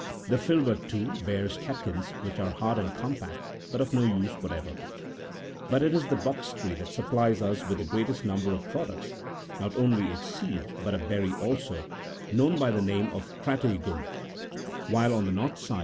The filbert, too, bears catkins, which are hard and com pact, but of no use45 whatever. (30.) But it is the box tree that supplies us with the great est number of products, not only its seed, but a berry also, known by the name of cratsegum ;46 while on the north side 41 See B.